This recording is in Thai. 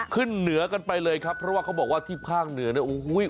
ขึ้นเหนือกันไปเลยครับเพราะว่าเขาบอกว่าที่ภาคเหนือเนี่ยโอ้โห